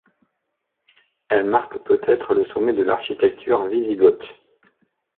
Elle marque peut-être le sommet de l'architecture wisigothe.